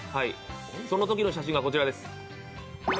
そのときの写真がこちらです。